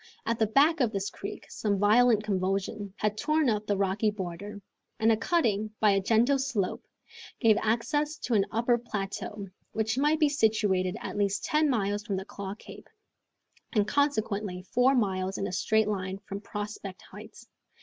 At the back of this creek some violent convulsion had torn up the rocky border, and a cutting, by a gentle slope, gave access to an upper plateau, which might be situated at least ten miles from Claw Cape, and consequently four miles in a straight line from Prospect Heights.